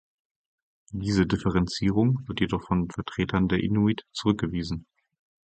Diese Differenzierung wird jedoch von Vertretern der Inuit zurückgewiesen.